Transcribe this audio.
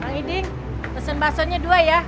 bang iding pesen bakso nya dua ya